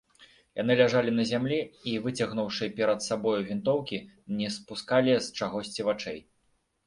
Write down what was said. Яны ляжалі на зямлі і, выцягнуўшы перад сабою вінтоўкі, не спускалі з чагосьці вачэй.